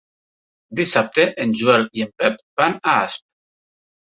Dissabte en Joel i en Pep van a Asp.